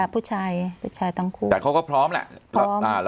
ผู้ชายตามกฎแต่เขาก็พร้อมแหละพร้อม